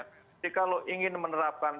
jadi kalau ingin menerapkan